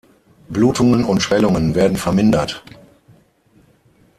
Blutungen und Schwellungen werden vermindert.